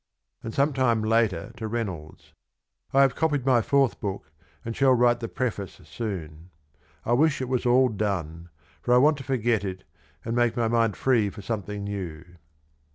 "^ And some time later to Reynolds :" I have copied my Fourth Book, and shall write the Preface soon. I wish it was all done; for I want to forget it, and make my mind free for something new."